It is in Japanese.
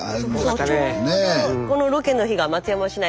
ちょうどこのロケの日が松山市内